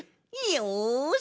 よし！